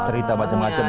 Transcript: cerita macam macam ya